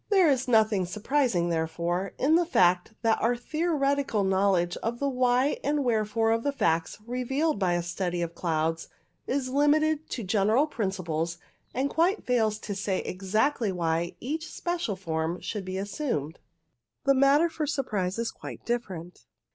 There is nothing surprising, therefore, in the fact that our theoretical knowledge of the why and wherefore of the facts revealed by a study of clouds is limited to general principles, and quite fails to say exactly why each special form should be assumed. The matter iot surprise is quite different.